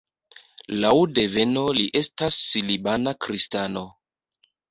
Laŭ deveno li estas libana kristano.